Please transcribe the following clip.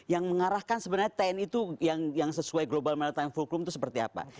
yang mengarahkan sebenarnya tni itu yang sesuai global maritime fulcrum itu seperti apa